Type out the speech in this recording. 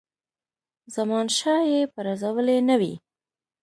زمانشاه یې پرزولی نه وي.